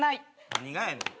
何がやねん。